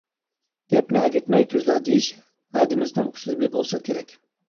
گەپنى ئەگىتمەي تۈزلا دېيىش ھەدىمىزنىڭ ئۇسلۇبى بولسا كېرەك.